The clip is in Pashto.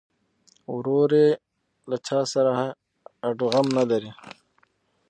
ورور یې له چا سره هډوغم نه لري.